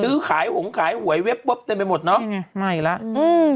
ซื้อขายหงขายหวยเว็บเว็บเต็มไปหมดเนอะไงมาอีกแล้วอืม